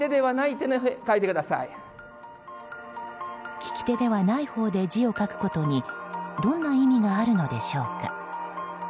利き手ではないほうで字を書くことにどんな意味があるのでしょうか。